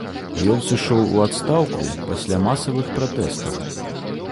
Ён сышоў у адстаўку пасля масавых пратэстаў.